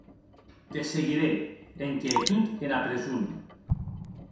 Te seguirè enquia e tot ena preson!